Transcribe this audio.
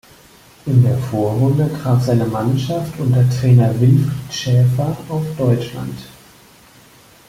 In der Vorrunde traf seine Mannschaft unter Trainer Winfried Schäfer auf Deutschland.